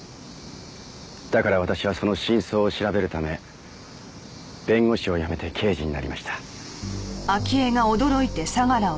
だから私はその真相を調べるため弁護士を辞めて刑事になりました。